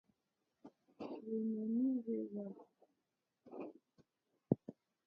Hwènɔ̀ní hwé hwǎ.